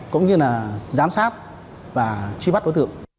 cũng như là giám sát và truy bắt đối tượng